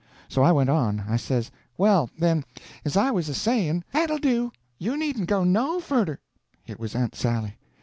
So I went on. I says: "Well, then, as I was a saying—" "That'll do, you needn't go no furder." It was Aunt Sally.